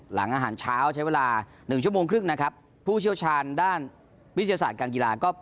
หลังอาหารเช้าใช้เวลาหนึ่งชั่วโมงครึ่งนะครับผู้เชี่ยวชาญด้านวิทยาศาสตร์การกีฬาก็